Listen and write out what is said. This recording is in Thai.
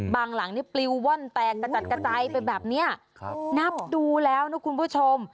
หลังนี่ปลิวว่อนแตกกระจัดกระจายไปแบบเนี้ยครับนับดูแล้วนะคุณผู้ชม